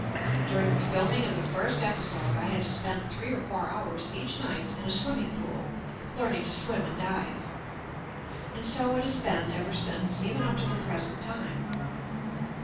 During the filming of the first episode I had to spend three or four hours each night in a swimming pool learning to swim and dive. And so it has been ever since, even up to the present time.